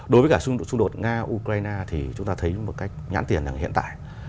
đối với cả xung đột nga ukraine thì chúng ta thấy một cách nhãn tiền là hiện tại